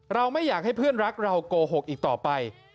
เราไม่อยากให้เพื่อนรักเราโกหกอีกต่อไป